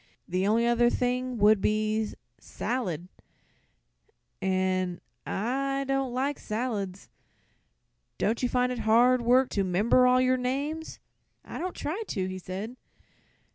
"The only other thing would be 'Salad,' an' I don't like salads. Don't you find it hard work to 'member all of your name?" "I don't try to," he said.